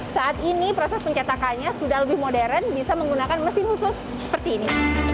saat ini proses pencetakannya sudah lebih modern bisa menggunakan mesin khusus seperti ini